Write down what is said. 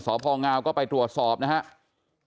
สพงก็ไปตรวจสอบนะครับ